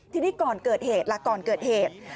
ทีนี้ก่อนเกิดเหตุล่ะก่อนเกิดเหตุ